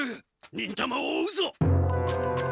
忍たまを追うぞ！